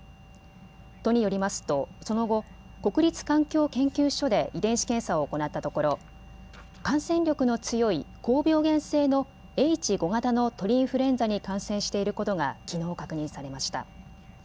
都によりますとその後、国立環境研究所で遺伝子検査を行ったところ感染力の強い高病原性のＨ５型の鳥インフルエンザに感染していることがきのう確認されました。